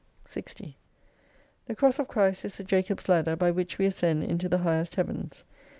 60 The Cross of Christ is the Jacob's ladder by which we ascend into the highest heavens.